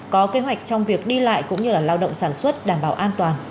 có kế hoạch trong việc đi lại cũng như lao động sản xuất đảm bảo an toàn